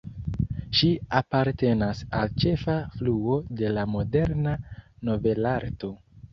Ŝi apartenas al ĉefa fluo de la moderna novelarto.